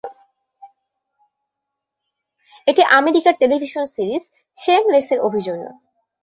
এটি আমেরিকার television series "শেমলেস"র অভিযোজন।